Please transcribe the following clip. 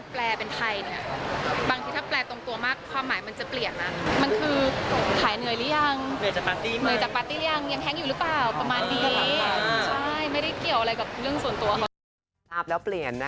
การแปลเป็นไทยเนี่ยบางทีถ้าแปลตรงตัวมากความหมายมันจะเปลี่ยนนะ